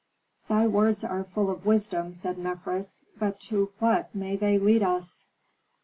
"Thy words are full of wisdom," said Mefres, "but to what may they lead us?"